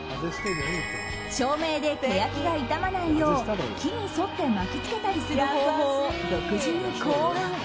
照明でケヤキが傷まないよう木に沿って巻き付けたりする方法を独自に考案。